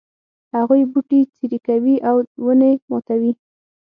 هغوی بوټي څیري کوي او ونې ماتوي